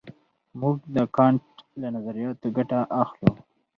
موږ د کانټ له نظریاتو ګټه اخلو.